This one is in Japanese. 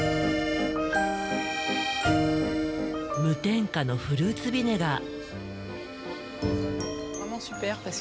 無添加のフルーツビネガー。